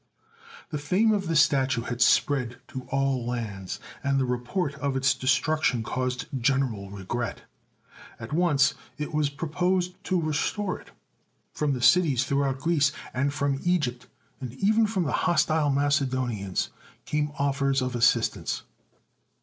The fame of the statue had spread to all lands, and the report of its destruction caused general regret. At once it was proposed to restore it. From the cities throughout Greece, and from Egypt, and even from the hostile Macedonians, came offers of assistance.